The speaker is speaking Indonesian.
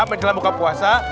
menjelang buka puasa